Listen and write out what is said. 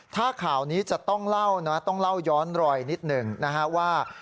ถ้าข่าวนี้จะต้องเล่านะต้องเล่าย้อนรอยนิดหนึ่งนะฮะว่า